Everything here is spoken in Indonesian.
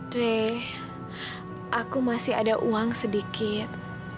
dre aku masih ada uang sedikit